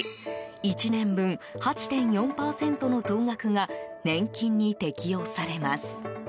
１年分８．４％の増額が年金に適用されます。